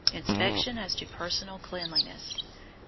Inspection as to personal cleanliness.